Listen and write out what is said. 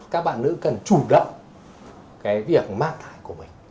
các bạn nữ cần chủ động cái việc mang thai của mình